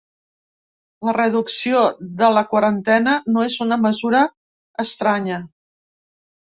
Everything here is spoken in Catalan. La reducció de la quarantena no és una mesura estranya.